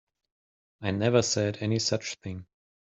I never said any such thing.